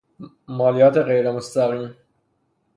مالیات غیرمستقیم